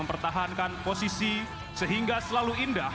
dibutuhkan kerjasama kita